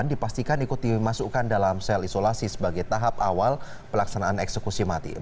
dan dipastikan ikut dimasukkan dalam sel isolasi sebagai tahap awal pelaksanaan eksekusi mati